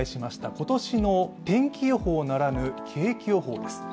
今年の天気予報ならぬ、景気予報です。